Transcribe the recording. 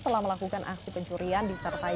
telah melakukan aksi pencurian disertai